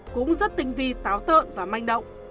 cũng rất tinh vi táo tợn và manh động